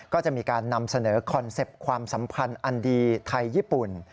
ก็จะมีการนำเสนอคอนเซ็ปต์ความสัมพันธ์อันดีไทยญี่ปุ่น